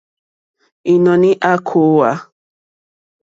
Ìnɔ̀ní à kòòwà.